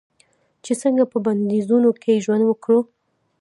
چې څنګه په بندیزونو کې ژوند وکړو.